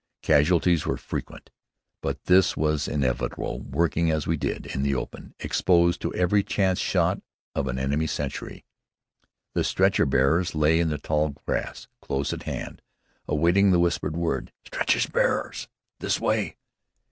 Casualties were frequent, but this was inevitable, working, as we did, in the open, exposed to every chance shot of an enemy sentry. The stretcher bearers lay in the tall grass close at hand awaiting the whispered word, "Stretcher bearers this way!"